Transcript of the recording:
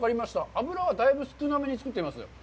脂はだいぶ少なめに作っています。